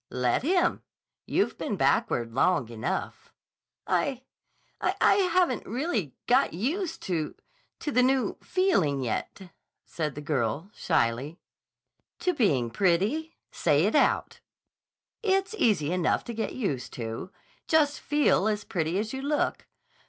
"Let him. You've been backward long enough." "I—I—I haven't really got used to—to the new feeling yet," said the girl shyly. "To being pretty? Say it out. It's easy enough to get used to. Just feel as pretty as you look.